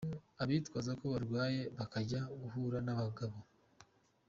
abitwaza ko barwaye bakajya guhura n’abagabo.